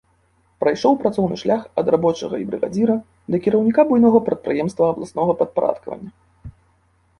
Прайшоў працоўны шлях ад рабочага і брыгадзіра да кіраўніка буйнога прадпрыемства абласнога падпарадкавання.